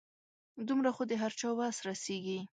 دومره خو د هر چا وس رسيږي .